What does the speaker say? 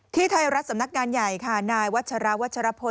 ที่ไทยรัฐธนรรสำนักงานใหญ่นายวัชราวัชราพล